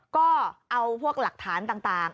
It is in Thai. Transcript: ก็เอาพวกหลักฐานต่าง